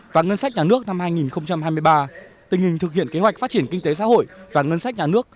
và ngân sách nhà nước năm hai nghìn hai mươi ba tình hình thực hiện kế hoạch phát triển kinh tế xã hội và ngân sách nhà nước